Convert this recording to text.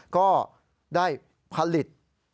ก็ได้ผลิต